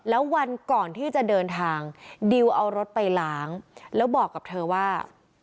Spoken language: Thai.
แล้ววันก่อนที่จะเดินทางดิวเอารถไปล้างแล้วบอกกับเธอว่า